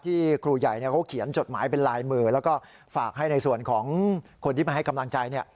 ครูใหญ่เขาเขียนจดหมายเป็นลายมือแล้วก็ฝากให้ในส่วนของคนที่มาให้กำลังใจเนี่ย